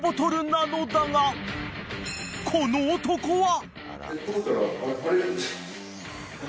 ［この男は］